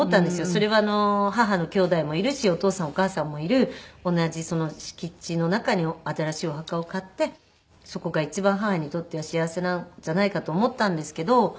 それは母のきょうだいもいるしお父さんお母さんもいる同じ敷地の中に新しいお墓を買ってそこが一番母にとっては幸せなんじゃないかと思ったんですけど。